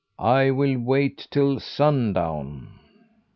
I will wait till sun down."